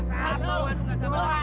satu dua tiga